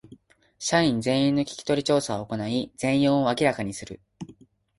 社員全員の聞き取り調査を行い全容を明らかにする